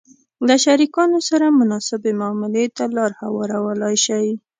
-له شریکانو سره مناسبې معاملې ته لار هوارولای شئ